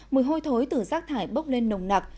mùi hôi thối từ rác thải bốc lên nồng nặc